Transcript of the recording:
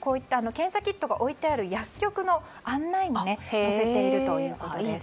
検査キットが置いてある薬局の案内も載せているということです。